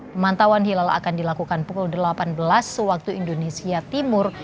pemantauan hilal akan dilakukan pukul delapan belas waktu indonesia timur